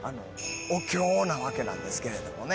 なわけなんですけれどもね。